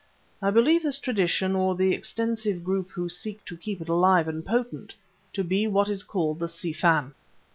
I believe this tradition, or the extensive group who seek to keep it alive and potent, to be what is called the Si Fan!"